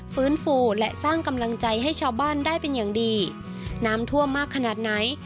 ฟื้นฟูและสร้างกำลังใจให้ชาวบ้านได้เป็นอย่างดีน้ำท่วมมากขนาดไหน